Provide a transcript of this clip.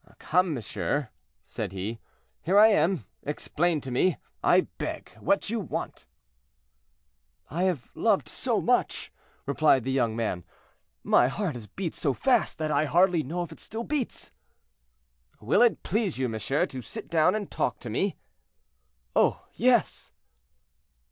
"Come, monsieur," said he, "here I am: explain to me, I beg, what you want." "I have loved so much," replied the young man; "my heart has beat so fast, that I hardly know if it still beats." "Will it please you, monsieur, to sit down and talk to me?" "Oh, yes!"